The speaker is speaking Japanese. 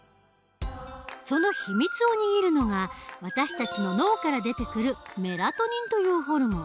そのひみつを握るのが私たちの脳から出てくるメラトニンというホルモン。